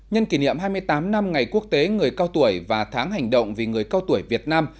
nhân kỷ niệm hai mươi tám năm ngày quốc tế người cao tuổi và tháng hành động vì người cao tuổi việt nam